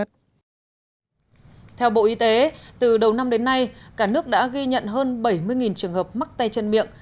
theo bộ y tế từ đầu năm đến nay cả nước đã ghi nhận hơn bảy mươi trường hợp mắc tay chân miệng